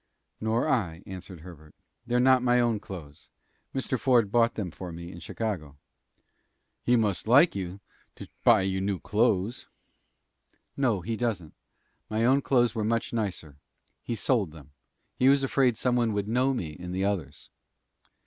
"Nor I," answered Herbert. "They're not my own clothes. Mr. Ford bought them for me in Chicago." "He must like you, to buy you new clothes." "No, he doesn't. My own clothes were much nicer. He sold them. He was afraid some one would know me in the others."